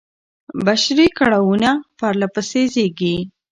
بشري کړاوونه پرله پسې زېږي.